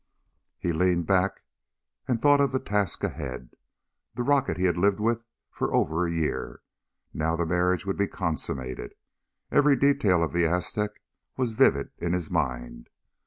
He leaned back and thought of the task ahead the rocket he had lived with for over a year. Now the marriage would be consummated. Every detail of the Aztec was vivid in his mind.